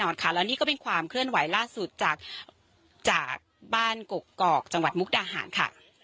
แล้วนี่ก็เป็นความเคลื่อนไหวล่าสุดจากบ้านกกอกจังหวัดมุกดาหารค่ะ